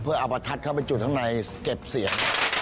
เพื่อเอาประทัดเข้าไปจุดข้างในเก็บเสียง